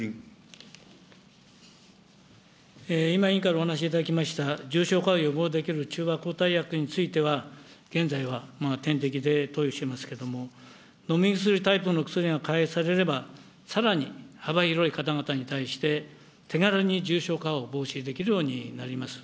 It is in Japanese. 今、委員からお話いただきました、重症化を予防できる中和抗体薬については、現在は点滴で投与していますけれども、飲み薬タイプの薬が開発されれば、さらに幅広い方々に対して、手軽に重症化を防止できるようになります。